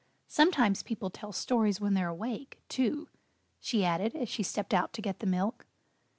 Sometimes people tell stories when they're awake, too," she added as she stepped out to get the milk.